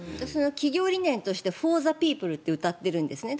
企業理念としてフォー・ザ・ピープルとうたっているんですね。